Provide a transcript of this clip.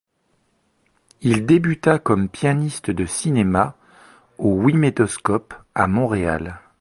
Il débuta comme pianiste de cinéma au Ouimetoscope à Montréal.